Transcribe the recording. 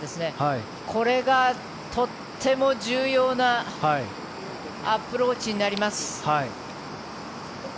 これがとっても重要なアプローチになります。